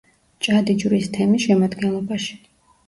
მჭადიჯვრის თემის შემადგენლობაში.